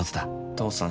父さん